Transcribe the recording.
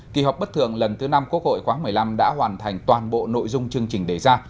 kỳ họp bất thường lần thứ năm quốc hội khóa một mươi năm đã hoàn thành toàn bộ nội dung chương trình đề ra